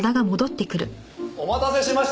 お待たせしました皆さん。